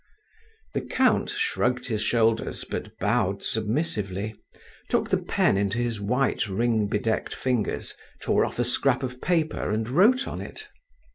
The count shrugged his shoulders but bowed submissively, took the pen in his white, ring bedecked fingers, tore off a scrap of paper and wrote on it.